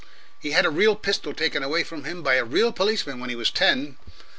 He had a real pistol taken away from him by a real policeman when he was ten.